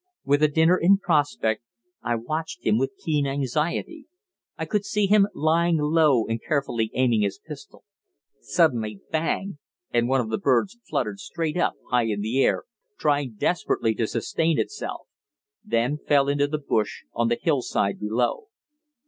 With a dinner in prospect, I watched him with keen anxiety. I could see him lying low and carefully aiming his pistol. Suddenly, bang! and one of the birds fluttered straight up high in the air, trying desperately to sustain itself; then fell into the brush on the hillside below.